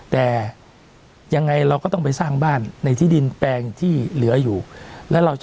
แต่ยังไงเราก็ต้องไปสร้างบ้านในที่ดินแปลงที่เหลืออยู่แล้วเราจะ